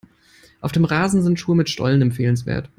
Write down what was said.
Auf dem Rasen sind Schuhe mit Stollen empfehlenswert.